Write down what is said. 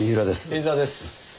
芹沢です。